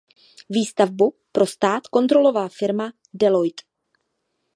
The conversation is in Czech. Výstavbu pro stát kontrolovala firma Deloitte.